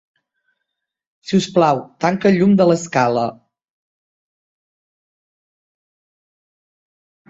Si us plau, tanca el llum de l'escala.